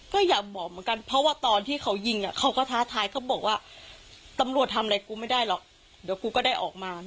ก็อยากบอกเหมือนกันเพราะว่าตอนที่เขายิงเขาก็ท้าทายเขาบอกว่าตำรวจทำอะไรกูไม่ได้หรอกเดี๋ยวกูก็ได้ออกมา